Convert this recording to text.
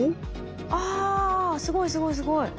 あすごいすごいすごい。